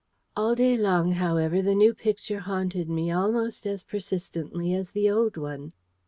All day long, however, the new picture haunted me almost as persistently as the old one.